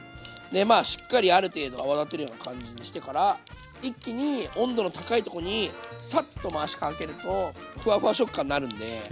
しっかりある程度泡立てるような感じにしてから一気に温度の高いとこにサッと回しかけるとふわふわ食感になるんで。